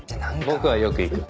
僕はよく行く。